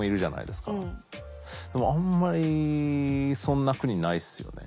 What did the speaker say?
でもあんまりそんな国ないっすよね。